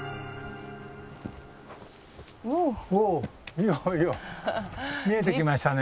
おおいよいよ見えてきましたね。